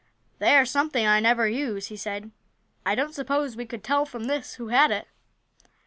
"They are something I never use," he said. "I don't suppose we could tell, from this, who had it?"